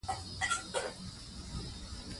پر هر ځای چي به ملګري وه ښاغلي